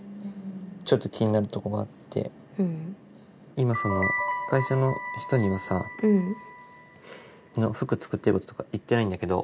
今その会社の人にはさ服作ってることとか言ってないんだけど。